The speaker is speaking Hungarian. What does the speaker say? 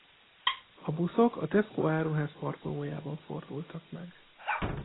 A buszok a Tesco áruház parkolójában fordultak meg.